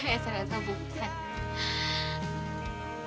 eh ternyata bukan